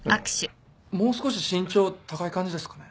もう少し身長高い感じですかね？